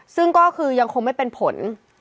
ซึ่งก็คือยังคงไม่เป็นผล